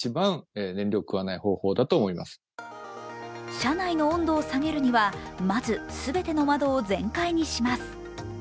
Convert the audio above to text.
車内の温度を下げるにはまず全ての窓を全開にします。